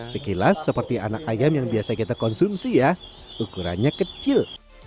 sekilas seperti anak ayam yang biasa kita konsumsi ya ukurannya kecil